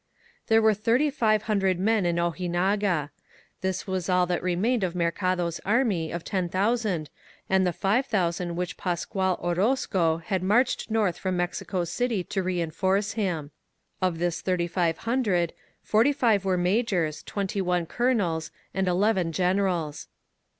' '/There were thirty five hundred men in Ojinaga. This 'W'as all that remained of Mercado's army of ten thou sand and the five thousand which Paseual Orozeo had marched north from Mexico City to reinforce him. Of this thirty five hundred, forty five were majors, twenty one colonels, and eleven generals.